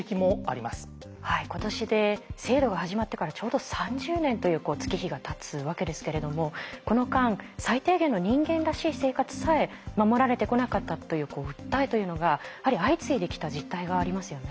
はい今年で制度が始まってからちょうど３０年という月日がたつわけですけれどもこの間最低限の人間らしい生活さえ守られてこなかったという訴えというのが相次いできた実態がありますよね。